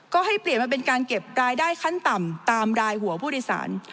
ก็ให้เปลี่ยนมาเป็นการเก็บรายได้ขั้นต่ำตามรายหัวผู้โดยสาร